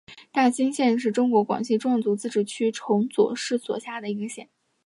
大新县是中国广西壮族自治区崇左市所辖的一个县。